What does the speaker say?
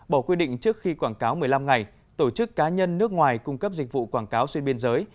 bỏ quy định trước khi quảng cáo một mươi năm ngày tổ chức cá nhân nước ngoài cung cấp dịch vụ quảng cáo xuyên biên giới